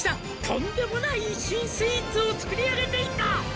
「とんでもない新スイーツを作り上げていた！」